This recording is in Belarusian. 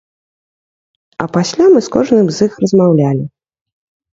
А пасля мы з кожным з іх размаўлялі.